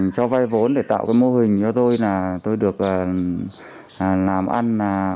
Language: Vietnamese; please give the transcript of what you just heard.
cho vay vốn để tạo cái mô hình cho tôi là tôi được làm ăn